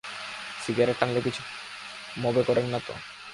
Cigarette টানলে কিছু মবে করবেন না তো?